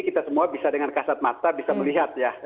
kita semua bisa dengan kasat mata bisa melihat ya